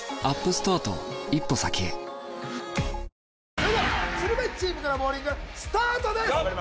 それでは鶴瓶チームからボウリングスタートです！